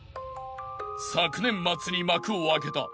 ［昨年末に幕を開けた］